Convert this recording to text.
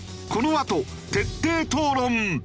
このあと徹底討論。